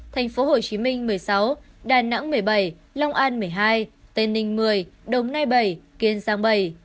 tp hcm một mươi sáu đà nẵng một mươi bảy long an một mươi hai tên ninh một mươi đồng nai bảy kiên giang bảy